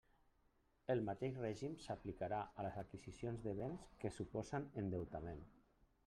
El mateix règim s'aplicarà a les adquisicions de béns que suposen endeutament.